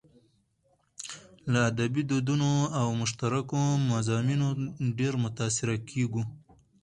له ادبي دودونو او مشترکو مضامينو ډېر متاثره کېږو.